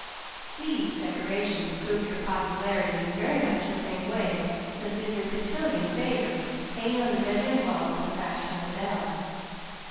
These decorations proved her popularity in very much the same way as do the cotillion favors hanging on the bedroom walls of the fashionable belle.